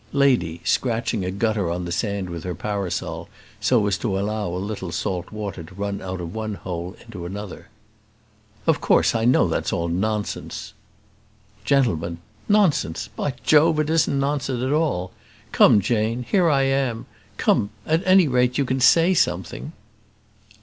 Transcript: Lady scratching a gutter on the sand with her parasol, so as to allow a little salt water to run out of one hole into another. "Of course, I know that's all nonsense." Gentleman. "Nonsense! By Jove, it isn't nonsense at all: come, Jane; here I am: come, at any rate you can say something."